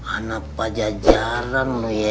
anak pajajaran lo ya